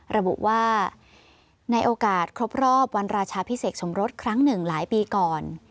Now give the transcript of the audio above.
ระบุว่าในโอกาสครบรอบวันราชาพิเศษสมรสครั้งหนึ่งหลายปีก่อน